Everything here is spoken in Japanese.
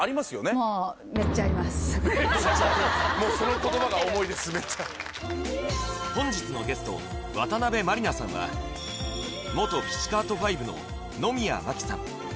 これ本日のゲスト渡辺満里奈さんは元ピチカート・ファイヴの野宮真貴さん